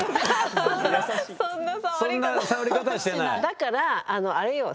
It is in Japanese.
だからあれよ。